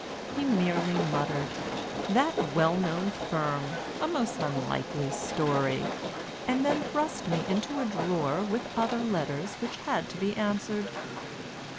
He merely muttered "That well known firm! A most unlikely story!" and then thrust me into a drawer with other letters which had to be answered.